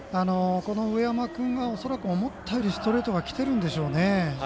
この上山君は恐らく思ったよりストレートがきているんでしょうね。